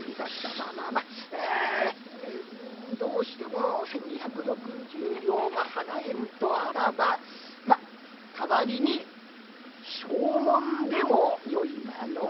まあまあまあどうしても１，２６０両が払えんとあらばまぁ代わりに証文でもよいがのう。